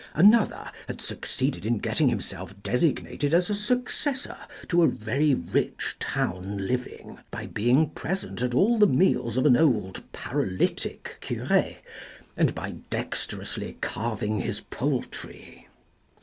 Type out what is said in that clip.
Another had succeeded in getting himself designated as a successor to a very rich town living, by being present at all the meals of an old, paralytic cure, and by dexterously carving his poultry.